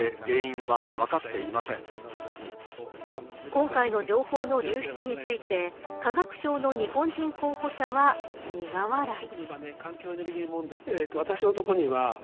今回の情報の流出について化学賞の日本人候補者は苦笑い。